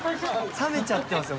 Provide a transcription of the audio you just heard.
冷めちゃってますよ